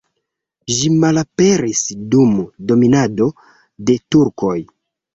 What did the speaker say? Ĝi malaperis dum dominado de turkoj.